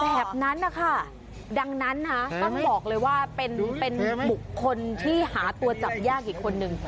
แบบนั้นนะคะดังนั้นนะต้องบอกเลยว่าเป็นบุคคลที่หาตัวจับยากอีกคนนึง